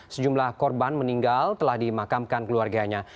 sejumlah korban meninggal telah dimakamkan keluarganya